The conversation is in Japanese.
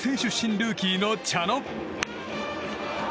ルーキーの茶野。